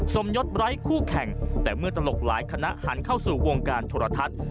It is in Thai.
สมยศไร้คู่แข่งแต่เมื่อตลกหลายคณะหันเข้าสู่วงการโทรทัศน์